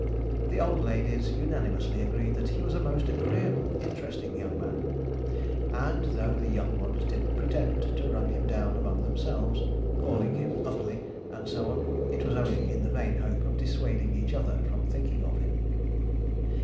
The old ladies unanimously agreed that he was a most agreeable, interesting young man; and though the young ones did pretend to run him down among themselves, calling him ugly, and so on, it was only in the vain hope of dissuading each other from thinking of him.